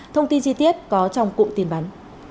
thông tin chi tiết có trong cụm tin bắn